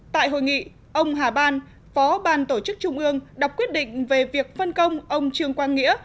tại hội nghị ông hà ban phó ban tổ chức trung ương đọc quyết định về việc phân công ông trương quang nghĩa